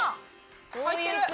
入ってる！